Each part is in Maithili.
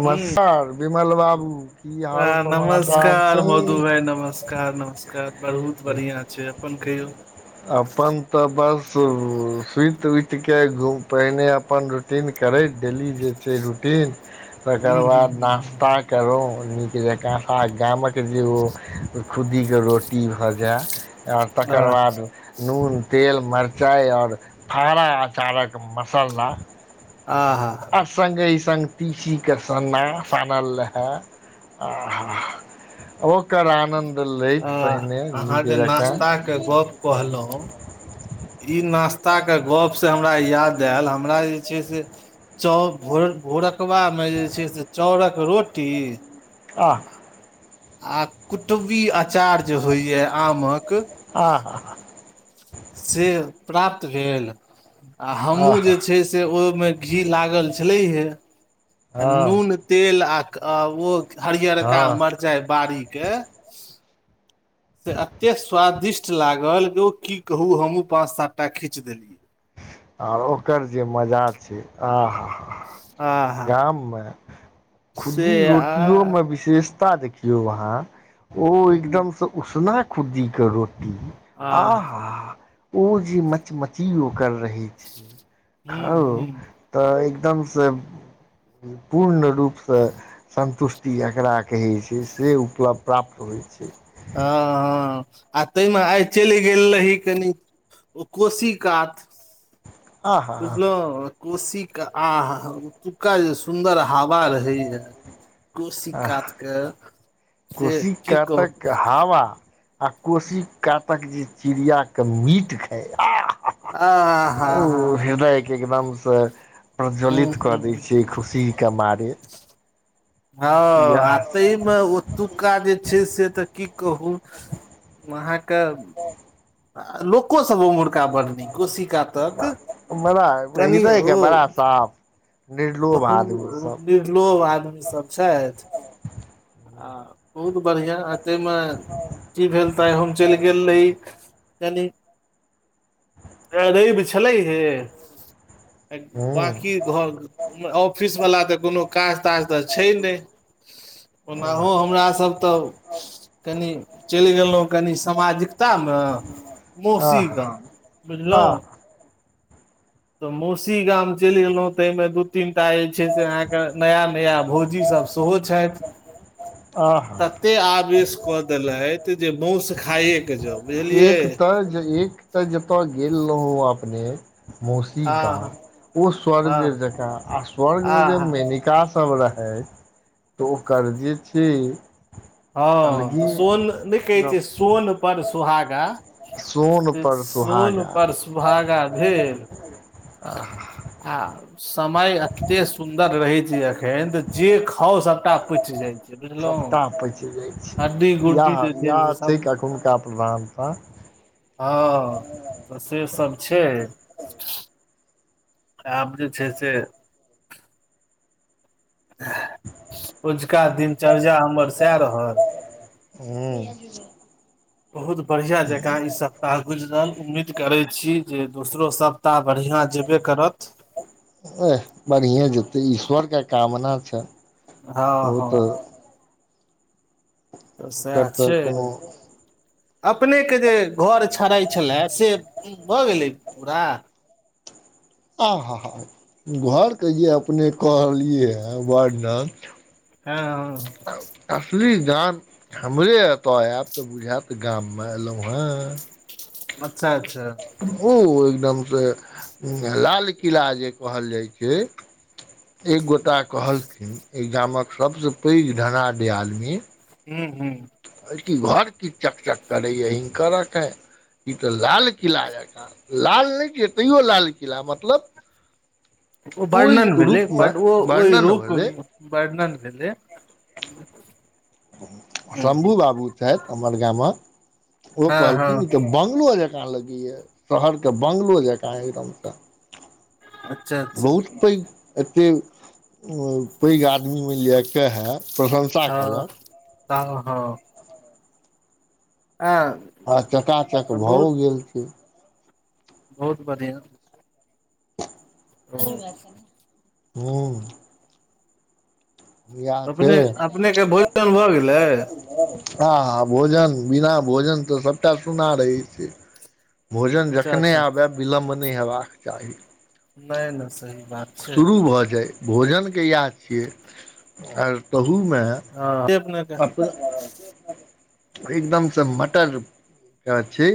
हुँ विमल बाबू की हाल समाचार नमस्कार छै मधु भाइ नमस्कार नमस्कार कार बहुत बढ़ियाँ छै अपन कहियौ अपन तऽ बस सुति उत के घूम पहिने अपन रूटीन करैत डेली जे छै रूटीन तकर हूँ बाद हूँ नास्ता हूँ करौं नीक जकाँ आ गामक जे ओ खुद्दीके रोटी भऽ जे आ आ तकर बाद नून तेल मरचाइ आओर फारा अचारक मसाला आ आहा सङ्गहि सङ्ग तीसीके सन्ना सानल रहै आहा ओकर आनन्द लैत आह पहिने नीक जकाँ कहलौं ई नास्ता के गप्प से हमरा याद एल हमरा जे छै से चप भोरक भोरक कबामे जे छै से चाउरक रोटी आह आ कुटबी अँचार जे होइये आमक आहा हा से प्राप्त भेल आ हमहूँ आह जे छै से ओहिमे घी लागल छलैहे आ हँ नून तेल आ क ओ हरियरका हँ मरचाइ बाड़ी के से एतेक स्वादिष्ट लागल जे की कहू हमहूँ पाँच सात टा खींच देलियै आर ओकर जे मजा छै आ आहा गाममे से खुद्दी आ रोटियोमे विशेषता देखियौ अहाँ ओ एकदमसँ उसना खुद्दी क रोटी आह ओ जे मचमची ओकर रहै छै हूँ खा हूँ तऽ एकदमसँ पूर्ण रूपसँ सन्तुष्टि एकरा कहै छै से उपलब्ध प्राप्त होइ छै हँ हँ आ ताहिमे आइ चलि गेल रही कनी ओ कोशी कात आहा बुझलहुँ कोशीे आह एतुका जे सुन्दर हवा रहैया कोशी आ कात के से कोशी की कह कातक हावा आ कोशी कातक जे चिड़िया के मीट खाय आह आ हा ओ हा हृदायके एकदाम स त हूँ प्रज्वलित कऽ दै हूँ छियै खुशीके मारे हँ इएह आ त म ओ एतुक्का जे छै से तऽ की कहू अहाँके लोक को सब ओ मुर्गा बड़ न कोश काातक बड़ा कनि ओ हृदयके बड़ा साफ निर्लोभ बहु आदमी सब [unintelligible] आदमी सब छथि आ बहुत बढ़िया आ ताहि मे की भेल तऽ आइ हम चलि गेल रही कानी आई रेब छलै हे हूँ बाकी घर ऑफिसवला तऽ कोनो काज ताज तऽ छै नहि ओनाहु हमर सब तऽ कनि चलि गेलहुँ कनी सामाजिकतामे कोशी आह गाम बुझलहु आह तऽ मौसी गाम चलि गेलहुँ ताहिमे दू तीनटा जे छै से अहाँके नया नया भौजी सब सेहो छथि आहा तते आवेश कऽ देलथि जे मौसु खाइएके जाउ बुझलियै एक तऽ एक तऽ जतय गेल रहौँ अपने मौसी गाम हँ ओ स्वर्ग हँ जकाँ आ आ स्वर्गमे जे मेनिका सब रहै तऽ ओकर जे छै हँ तऽ सोन नहि कहै छै गप सोन परर सुोहागा सोन से पर सोन सुहागा पर सुहागा भेल अहहा आ समय एते सुन्दर रहे छै अखन तऽ जे खाउ सभटा पुचि जाय सभटा पचि जाइ छै गुड्डी इएह जे इएह से सब छै एखुनका प्रधानता। हँ तऽ से सब छै। आब जे छै से। अझुका दिनचर्या हमर सएह रहल। हूँ। बहुत बढ़िया जकाँ ई सप्ताह गुजरल उम्मीद करे छी जे दोसरो सब ता बढ़िआं जेबे करत। एह बढ़िए जेतै ईश्वर के कामना छै। हँ ओ तऽ हँ। तऽ सएह ओकर तऽ छै। कोनो अपनेके जे घर छड़ाै छलय से भऽ गेलै पूरा। आहाहा घरके जे अपने कहलियै हँ वर्डन हँ हँ। असली जान हमरे एतऽ आएब तऽ बुझायत गाममे एलहुँ हँ। अच्छा अच्छा। ओ एकदम से लाल किला जे कहल जाइ छै एक गोटा कहलखिन एहि गामक सभसँ पैघ ढनाड आदमी हू हू की घर की चकचक करे या हिनकर एखे ई तऽ लाल किला जेका लाल नहि छियै तैयो लाल किला मतलब ओ ओहि वर्णन भेलै रूपमे बट ओ ओहि वर्णन रूप भेलै वर्णन भेलै। शम्भू बाबू छथि हमर गामक ओ हँ हँ कहलकिन तऽ बंगलोज कह लगै शहरके बंगलो जकाँ एकदमसँ। अच्छा अच्छा बहुत पैग एतेक। पैघ आदमीमे लए कऽ हइ प्रशंसा हँ कयलक तऽ हँ। आँ। आ चकाचक भऽ गेल छै। बहुत बढ़िआ। [unintelligible] हूँ इएह अपने छै अपनेके भोजन भऽ गेलै हँ हँ भोजन बिना भोजन तऽ सभटा सुना रहै छै भोजन अच्छा जखने अच्छा आबय विलम्ब नहि हेबाक चाही नहि नहि सही बात छै शुरू भऽ जाइ भोजनके इएह छियै आर ताहूमे ह अपने के अप एकदम से मटर के छै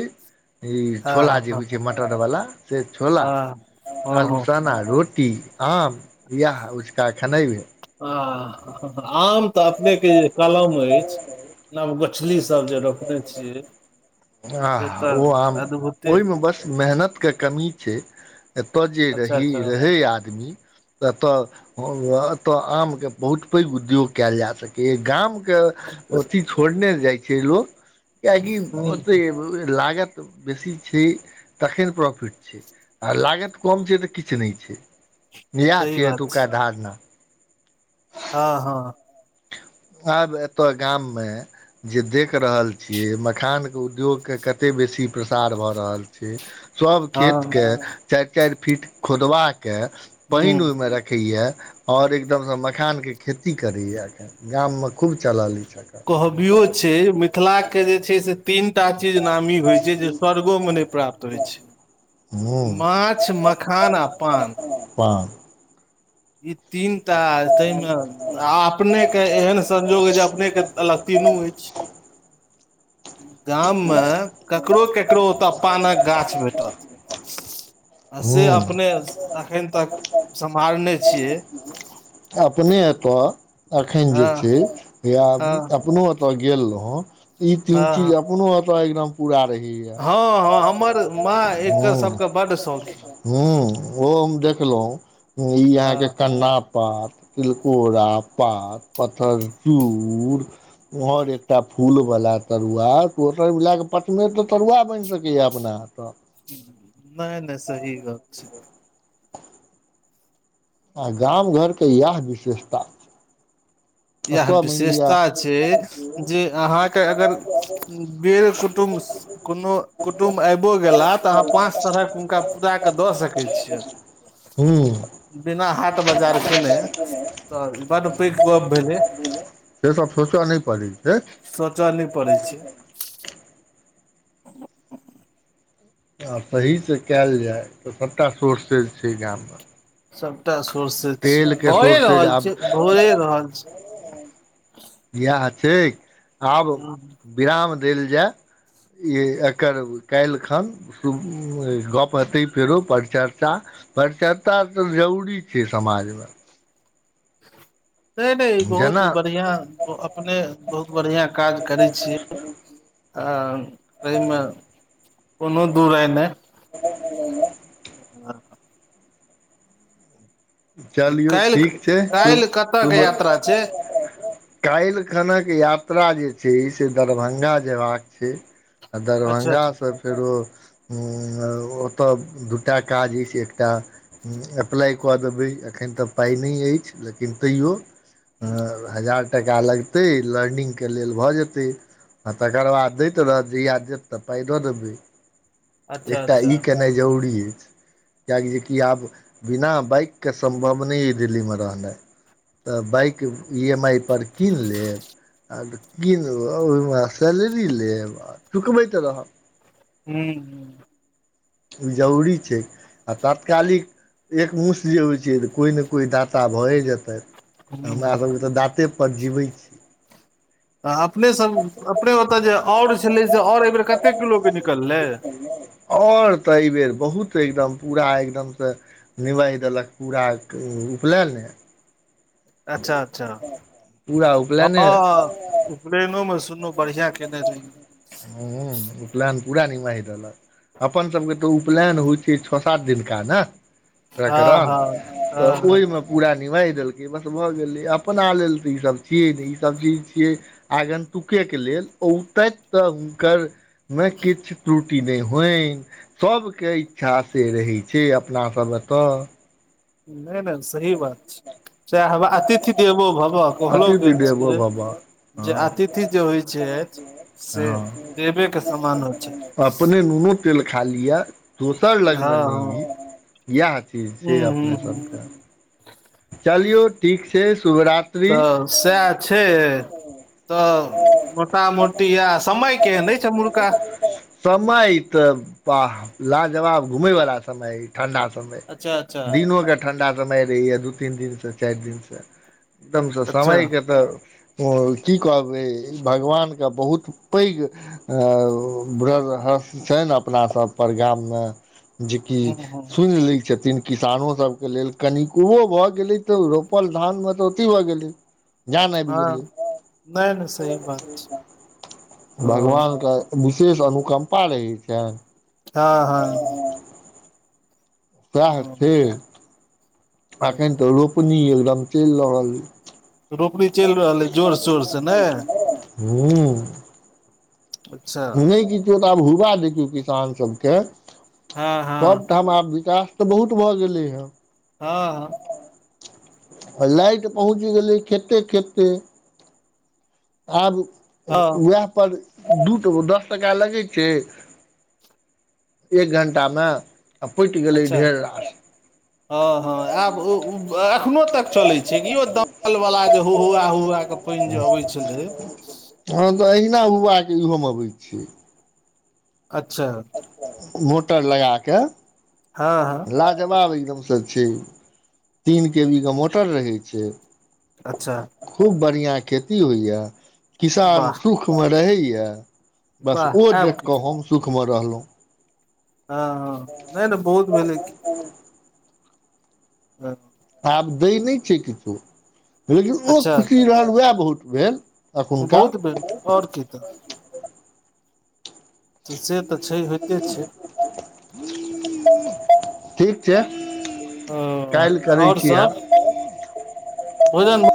ई हँ छोला हँ जे हँ होइ छै मटरवला से छोला हँ हँ आलू हँ चना हँ रोटी आम इआाह उचका खनैबै आ आम तऽ अपने के जे कलम अछि जे नब गोछली सब जे रोपने छियै आा से ओ तऽ आम अद्भुते ओहिमे बस मेहनत के कमी छै एतय जे अच्छा रही अच्छा रहै आदमी एतऽ एतऽ आम के बहुत पैघ उद्योग कयल जा सकैए गाम छोड़ने जाइ छै लोक कियकि ह ओतै लागत छै तखैन प्रोफिट छै आ लगत कम छै तऽ किछु नहि छै इएह सही छै बात एतुका धारण हँ हँ आब एतय गाम मे जे देख रहल छियै मखान के उद्योग के क एते बेसी प्रसार भऽ रहल छै सभ हँ खेतके चारि चारि फिट खोदबाके पानि ह ओहिमे रखैए और एकदम से मखान के खेती करेया एखन गाम मे खूब चलल ऐच अखन कहबियो छै मिथिलाके जे छै से तीन टा चीज नामी होइ छै जे स्वर्गो में नहि प्राप्त होय छै हूँ माछ मखान आ पान पान ई तीन टा तामे अपने के एहन संयोग हय जे अपने के अलग तीनू इ [inaudible] गाममे ककरो ककरो ओतय पानक गाछ भेटत से हूँ अपने एखन तक सम्हारने छियै अपने एतय एखन जे हँ छै या हँ अपनो एत ओत गेल रह ई तीन हँ हँ चीज अपनो एतए एकदम पूरा रहै ये हँ हँ हमर माँ एकर सभके बड शौकीन ह ओ हम देखलहुं ई यहााँके हँ कन्ना पात तिलकोरा पात पथर चूड़ उऊहर एकटा फूल बाला तरुआ तो ला के पचमेट त तरुआ बनि सक के अपना तऽ नहि नहि सही गॉप छै आ गाम घरके इएह विशेषता इएह एतऽ मानि लिअ विशेषता छै जे अहाँके अगर बेर कुटुम्ब कोनो कुटुम्ब आबिओ गेला तऽ अहाँ पाँच तरहक हुनका पूरा कऽ दऽ सकै छियनि हूँ बिना हाट बाजार केने तऽ ई बड पैघ गप भेल से सब सोचऽ नहि पड़ै छै सोचय नहि पड़ै छै [inaudible] आ सहीसँ कयल जाय तऽ सभटा सोर्सेज छै गाममे सबटा सोर्सेज छै तेलके भए सोर्सेज रहल आब छै भए रहल छै इएह छै आब हँ विराम देल जाय ई एकर काल्हि खन गप हेतै फेरो परिचर्चा। पर चर्चा तऽ जरूरी छै समाजमे। [inaudible] नहि नहि बहुत जेना बढ़िआँ अपने बहुत बढ़िआँ काज करै छियै आ एहिहिमे कोनो दूर एय नहि। [unintelligible] [unintelligible] चलियौ काल्हि ठीक छै सुब काल्हि कतय के सुब यात्रा छै काल्हि खनक यात्रा जे छै से दरभंगा जेबाक छै आ अच्छा दरभंगा अच्छा से फेरो ओतऽ दूटा काज अछि एकटा अप्लाइ कऽ देबै अखन तऽ पाइ नहि अछि लेकिन तैयो हजार टाका लगतै लर्निंगके लेल भऽ जेतै आ तकर बाद दैत रहत जेहियाँ देत तऽ पाइ दऽ देबै। अच्छा एकटा अच्छा ई केनाइ जरूरी ऐछ [inaudible] किएकि कि आब बिना बाइक कऽ सम्भव नै यऽ दिल्ली में रहनै। तऽ बाइक ई एम आइ पर कीन लेब। [unintelligible] ओहिमे सैलरी लेब आ चुकबै तऽ रहब। [unintelligible] ई जरूरी छै आ तात्कालिक। एक मुस जे होइ छै तऽ को नै को दाता भऽए जेतै। हूँ हमरा हूँ सबकेँ तऽ दाँते पर जीवै छी। आ अपने सभ अपने ओतऽ जे और छलै से और एहिबर कतेक किलो केँ निकललै। औल तऽ एहिबेर बहुत एकदम पूरा एकदम से। निबैह देलक पूरा उपलैने। अच्छा अच्छा पूरा [inaudible] उपलैने हँ उपनैनो। दुनू बुड़िया केने रहिए हू उपलैन पूरा निमाह दलक अपन सब केँ तऽ उपलैन होइ छै छ सात दिनका न। हँ प्रकरण हँ तऽ हँ हँ ओइम पूरा निमाह देलकै बस भऽ गेलै अपना लेल तऽ ई सब छियै नै ई सब चीज छियै। आगन। तुकै केँ लेल औतक तऽ हुनकर में किछ त्रुटि नै होन सब केँ इच्छा से रहै छै अपना सभ एतऽ। नै न सही बात छै [inaudible] चैह हेबा अतिथि देवो भवा कहलो अतिथि गेल छै। देवो भवा जे हँ अतिथि जे होइ ऐछ। हँ [unintelligible] छै अप अपने नूने तेल खा ली यऽ दोसर हँ लगमे नै ली हँ इयह चीज छै हूँ अपने हूँ सब हूँ कऽ। चलियौ ठीक छै शुभरात। तऽ सैह छै। तऽ मोटा मोटी या समय कैहन ऐछै अम्हुरका समय तऽ बाह लाजवाब घूमे वाला समय है ठण्ढा समय अच्छा अच्छा दिनो केँ ठण्ढा समय रहैए दू तीन दिन स चाइर दिन स एकदम स अच्छा समय कऽ तऽ। की कहबै ई भगवान कऽ बहुत पैघ। [unintelligible] छै अपना सभ पर गाम में। जेकि हूँ हूँ सुन लै छथिन। किसानो सब कऽ लेल कनिकोओ भऽ गेलै तऽ रोपल धान मे तऽ ओथी भऽ गेलै। जान आइब गेलै नै नै [inaudible] भगवान ओ केँ विशेष अनुकम्पा रहै छैन हऽ हऽ सैह छै हँ अखन तऽ रोपनी एकदम चैल रहल रोपनी चलि रहल अइ जोर शोर से ने [unintelligible] अच्छा नै किछो तऽ आब हुबा देखियौ किसान सबकेँ हँ हँ सभ ठाम आब विकास। तऽ बहुत भऽ गेलै हन हाँ आ लाइट पहुँच गेलै खेते खेते आब हँ उहाए पर दू टगो दस टाका लगै छै एक घण्टामे आ पटि गेलै ढेर रास हाँ हाँ आब उ-उ एखनो तक चलै छै कि यौ दमकल जे हुहुआ हुहुआ कऽ पाइन जे आबै छलै हाँ तऽ अहिना हुहुआके इहोमे अबै छै अच्छा मोटर लगाके हाँ हाँ लाजवाब एकदमसँ छै तीनक केबीके मोटर रहै छै अच्छा खूब बढ़ियाँ खेती होइया किसान वाह सुखमे रहैया बस ओ वाह आब देखि की कऽ छै हम सुखमे रहलहुँ हाँ हाँ नहि नहि बहुत भेलै कि हूँ हँ आब दै नहि छै किछो लेकिन ओ अच्छा खुशी रहल वहाए बहुत भेल एखुनका बहुत भेल आओर की तऽ से तऽ छै होइते छै ठीक छै ओ काल्हि करै आओर छी सब अएाब भोजन